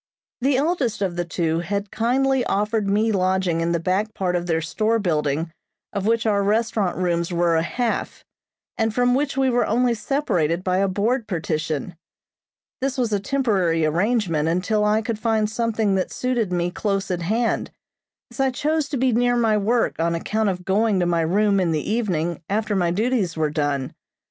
The eldest of the two had kindly offered me lodging in the back part of their store building of which our restaurant rooms were a half, and from which we were only separated by a board partition. This was a temporary arrangement until I could find something that suited me close at hand, as I chose to be near my work on account of going to my room in the evening after my duties were done.